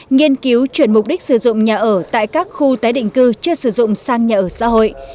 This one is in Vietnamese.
nghiên cứu chuyển mục đích sử dụng nhà ở tại các khu tái định cư chưa sử dụng sang nhà ở xã hội